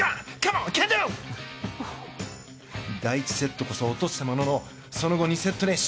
第１セットこそ落としたもののその後、２セット連取。